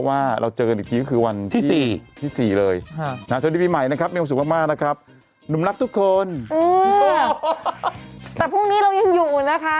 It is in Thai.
กำลังเมาสุรายอยู่